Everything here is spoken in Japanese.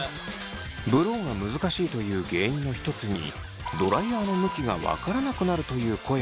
ブローが難しいという原因の一つにドライヤーの向きが分からなくなるという声がありました。